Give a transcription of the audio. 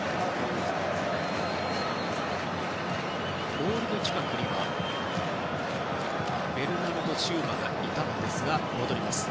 ボールの近くにはベルナルド・シウバがいたんですが戻りました。